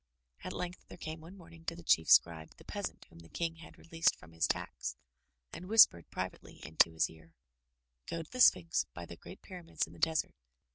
At length there came one morning to the Chief Scribe the peas ant whom the King had released from his tax, and whispered privately into his ear: "Go to the Sphinx by the great pyramids in the desert.